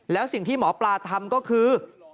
แล้วสิ่งที่หมอปลาทำก็คือ